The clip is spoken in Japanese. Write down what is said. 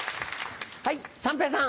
はい三平さん。